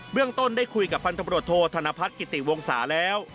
เรื่องต้นได้คุยกับพันธบรวจโทษธนพัฒน์กิติวงศาแล้ว